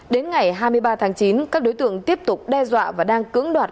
đến ngày hai mươi ba tháng chín các đối tượng tiếp tục đe dọa và đang cưỡng đoạt